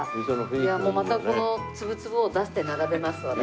いやもうまたこの粒々を出して並べます私。